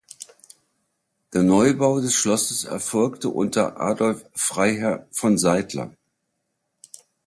Der Neubau des Schlosses erfolgte unter Adolf Freiherr von Seidler.